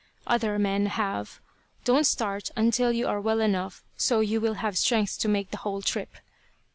Other men have. Don't start until you are well enough so you will have strength to make the whole trip."